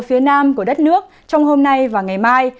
phía nam của đất nước trong hôm nay và ngày mai